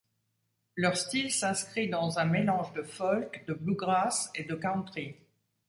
Leur style s'inscrit dans une mélange de folk, de bluegrass et de country.